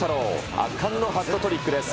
圧巻のハットトリックです。